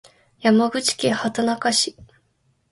山口県畑中市